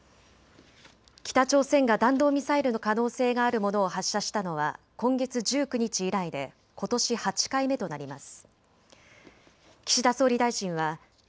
北朝鮮が弾道ミサイルの可能性があるものを発射したのは今月１９日以来でことし８回目となります。